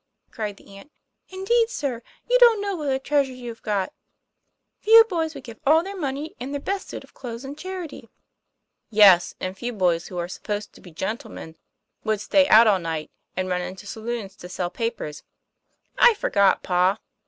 cried the aunt. "Indeed, sir, you don't know what a treasure you've got. Few boys would give all their money and their best suit of clothes in charity." ' Yes, and few boys who are supposed to be gen tlemen would stay out all night, and run into saloona to sell papers." " I forgot, pa.